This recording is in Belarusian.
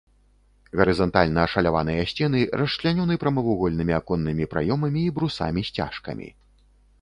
Гарызантальна ашаляваныя сцены расчлянёны прамавугольнымі аконнымі праёмамі і брусамі-сцяжкамі.